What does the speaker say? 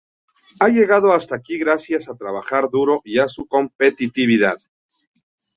Ha llegado hasta aquí gracias a trabajar duro y a su competitividad.